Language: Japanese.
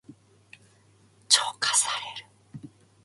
浄化される。